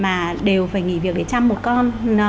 mà đều phải nghỉ việc để chăm một con